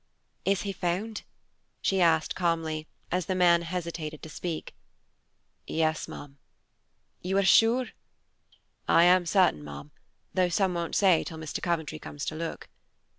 "Is he found?" she asked calmly, as the man hesitated to speak. "Yes, ma'am." "You are sure?" "I am certain, ma'am, though some won't say till Mr. Coventry comes to look."